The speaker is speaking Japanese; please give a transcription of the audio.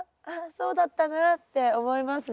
そうだったなって思いますね。